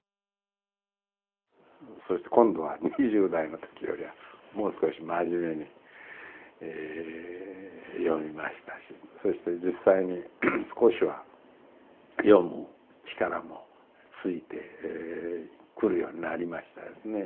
そして今度は２０代のときよりはもう少し真面目に読みましたしそして実際に少しは読む力もついてくるようになりましたですね。